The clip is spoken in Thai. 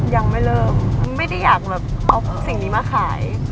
ยังไม่เริ่มไม่ได้อยากแบบเอาสิ่งนี้มาขาย